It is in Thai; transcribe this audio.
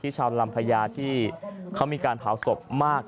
ชาวลำพญาที่เขามีการเผาศพมาก